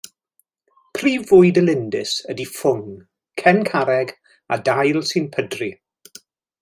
Prif fwyd y lindys ydy ffwng, cen carreg a dail sy'n pydru.